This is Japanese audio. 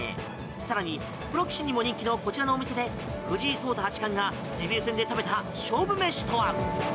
更に、プロ棋士にも人気のこちらのお店で藤井聡太八冠がデビュー戦で食べた勝負飯とは？